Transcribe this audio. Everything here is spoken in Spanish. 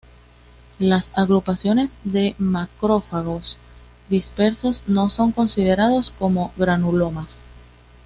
Las agrupaciones de macrófagos dispersos no son considerados como granulomas.